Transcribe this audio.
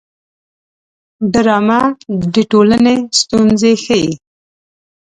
ډرامه د ټولنې ستونزې ښيي